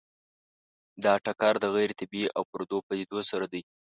دا ټکر د غیر طبیعي او پردو پدیدو سره دی.